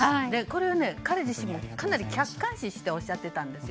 これは彼自身もかなり客観視しておっしゃっていたんです。